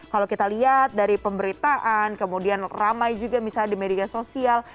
kalau kita lihat dari pemberitaan kemudian ramai juga misalnya di media sosial